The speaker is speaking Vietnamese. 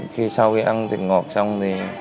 khi sau khi ăn thịt ngọt xong